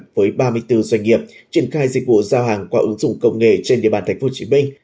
với ba mươi bốn doanh nghiệp triển khai dịch vụ giao hàng qua ứng dụng công nghệ trên địa bàn tp hcm